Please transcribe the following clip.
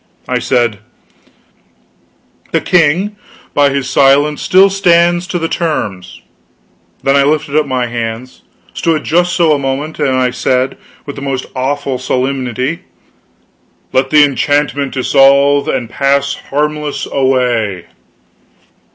I said: "The king, by his silence, still stands to the terms." Then I lifted up my hands stood just so a moment then I said, with the most awful solemnity: "Let the enchantment dissolve and pass harmless away!"